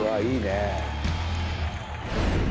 いいね。